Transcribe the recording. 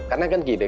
karena kan gini